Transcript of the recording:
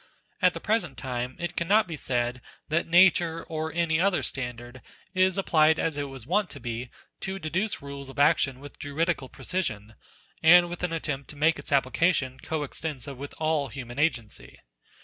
At the present time it cannot be said that Nature, or any other standard, is applied as it was wont to be, to NATURE 1 1 deduce rules of action with juridical precision, and with an attempt to make its application co extensive with all human agency.